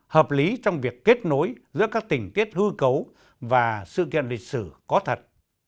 hợp lý trong việc kết nối giữa các tình tiết hư cấu và sự kiện lịch sử có thật